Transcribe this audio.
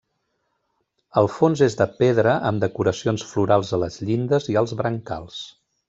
El fons és de pedra amb decoracions florals a les llindes i als brancals.